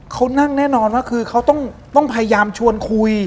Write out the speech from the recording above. เขานั่งแน่นอนว่าคือเขาต้องพยายามชวนคุย